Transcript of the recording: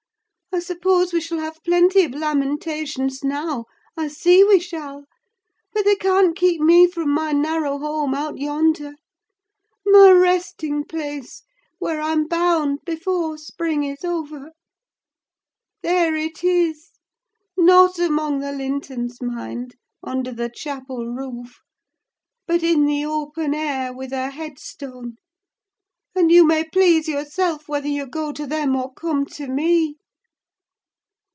I suppose we shall have plenty of lamentations now—I see we shall—but they can't keep me from my narrow home out yonder: my resting place, where I'm bound before spring is over! There it is: not among the Lintons, mind, under the chapel roof, but in the open air, with a head stone; and you may please yourself whether you go to them or come to me!"